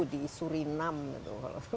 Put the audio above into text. di surinam gitu